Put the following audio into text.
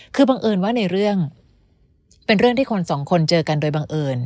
คือบังเอิญว่าในเรื่องเป็นเรื่องที่คนสองคนเจอกันโดยบังเอิญ